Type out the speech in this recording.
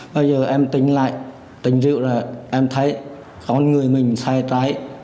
bây giờ em tỉnh lại tỉnh rượu là em thấy con người mình sai trái